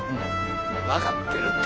分かってるって。